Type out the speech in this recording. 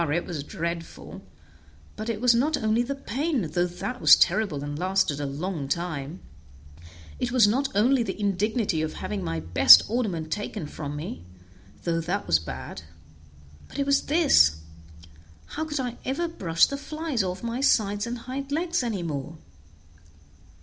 it was dreadful; but it was not only the pain, though that was terrible and lasted a long time; it was not only the indignity of having my best ornament taken from me, though that was bad; but it was this, how could I ever brush the flies off my sides and my hind legs any more?